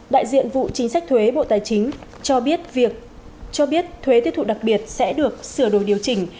đại diện vụ chính sách thuế bộ tài chính cho biết thuế tiêu thụ đặc biệt sẽ được sửa đổi điều chỉnh